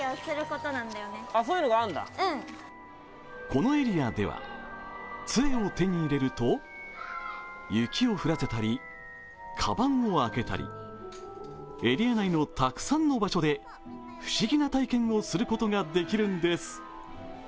このエリアではつえを手に入れると、雪を降らせたり、かばんを開けたりエリア内のたくさんの場所で不思議な体験をすることができるんです。